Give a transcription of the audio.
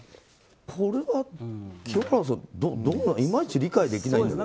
これは清原さんいまいち理解できないんですけど。